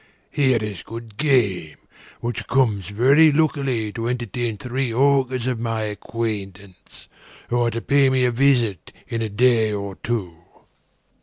Here is good game, which comes very luckily to entertain three Ogres of my acquaintance, who are to pay me a visit in a day or two."